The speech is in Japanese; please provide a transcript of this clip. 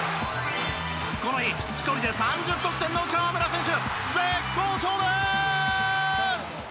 この日１人で３０得点の河村選手絶好調です！